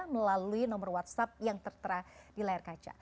melalui nomor whatsapp yang tertera di layar kaca